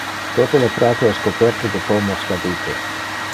Tote le prato es coperte de pomos cadite.